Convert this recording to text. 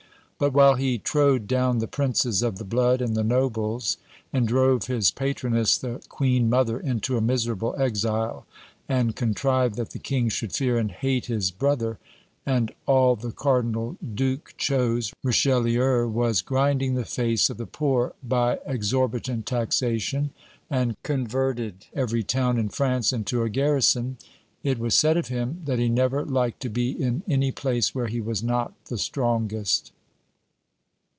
But, while he trode down the princes of the blood and the nobles, and drove his patroness, the queen mother, into a miserable exile, and contrived that the king should fear and hate his brother, and all the cardinal duke chose, Richelieu was grinding the face of the poor by exorbitant taxation, and converted every town in France into a garrison; it was said of him, that he never liked to be in any place where he was not the strongest.